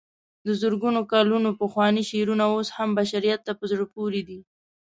د زرګونو کلونو پخواني شعرونه اوس هم بشریت ته په زړه پورې دي.